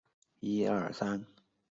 滨名孝行。